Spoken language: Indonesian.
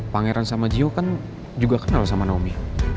pangeran sama jiho kan juga kenal sama naomi